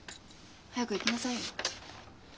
早く行きなさいよ。